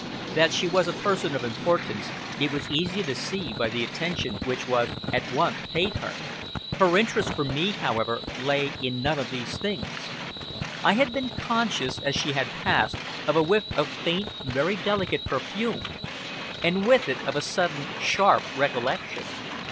That she was a person of importance it was easy to see by the attention which was at once paid her. Her interest for me, however, lay in none of these things. I had been conscious, as she had passed, of a whiff of faint, very delicate perfume and with it, of a sudden, sharp recollection.